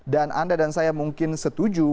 dan anda dan saya mungkin setuju